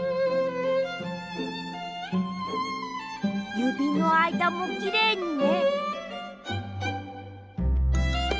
ゆびのあいだもきれいにね。